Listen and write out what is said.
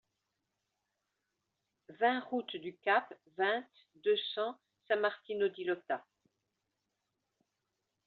vingt route du Cap, vingt, deux cents, San-Martino-di-Lota